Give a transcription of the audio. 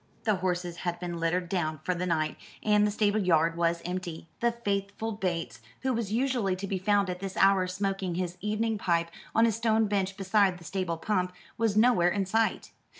The horses had been littered down for the night, and the stable yard was empty. The faithful Bates, who was usually to be found at this hour smoking his evening pipe on a stone bench beside the stable pump, was nowhere in sight.